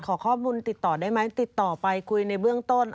ขอข้อมูลติดต่อได้ไหมติดต่อไปคุยในเบื้องต้น